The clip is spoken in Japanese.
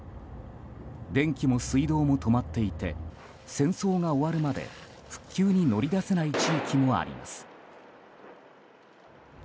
電気も水道も止まっていて戦争が終わるまで復旧に乗り出せない地域もあります。